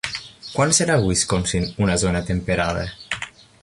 Quan serà Wisconsin una zona temperada?